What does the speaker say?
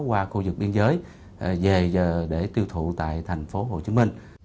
qua khu vực biên giới về giờ để tiêu thụ tại tp hcm